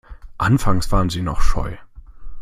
Anfangs waren sie noch scheu.